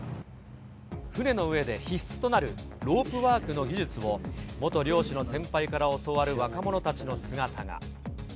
船の上で必須となるロープワークの技術も、元漁師の先輩から教わる若者たちの姿が。